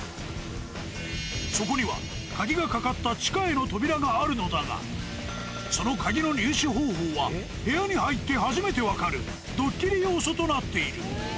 そこには鍵がかかった地下への扉があるのだが、その鍵の入手方法は、部屋に入って初めて分かるドッキリ要素となっている。